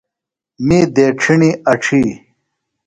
می دیڇِھݨیۡ اڇھی۔